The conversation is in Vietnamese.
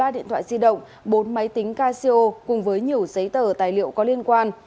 ba điện thoại di động bốn máy tính casio cùng với nhiều giấy tờ tài liệu có liên quan